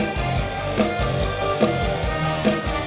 รู๊ฟ่่า